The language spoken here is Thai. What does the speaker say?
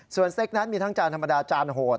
ส่วนเซ็กนั้นมีทั้งจานธรรมดาจานโหด